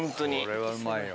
これはうまいよ。